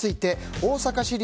大阪市立